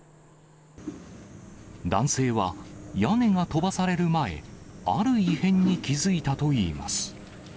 男性は、屋根が飛ばされる前、ある異変に気付いたといいます。